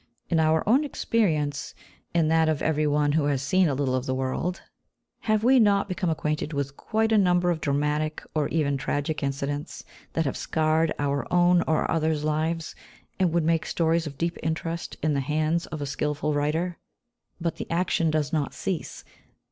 In our own experience, in that of every one who has seen a little of the world, have we not become acquainted with quite a number of dramatic, or even tragic incidents, that have scarred our own or others' lives, and would make stories of deep interest in the hands of a skilful writer? But the action does not cease.